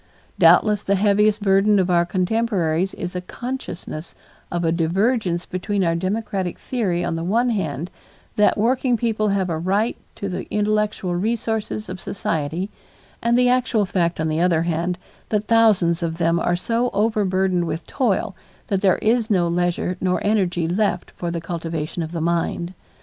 Doubtless the heaviest burden of our contemporaries is a consciousness of a divergence between our democratic theory on the one hand, that working people have a right to the intellectual resources of society, and the actual fact on the other hand, that thousands of them are so overburdened with toil that there is no leisure nor energy left for the cultivation of the mind.